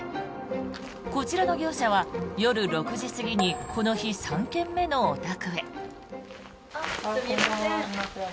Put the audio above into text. こちらの業者は、夜６時過ぎにこの日３軒目のお宅へ。